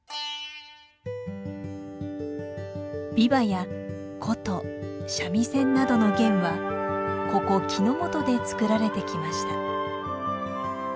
琵琶や琴三味線などの弦はここ木之本で作られてきました。